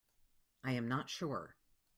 I am not sure.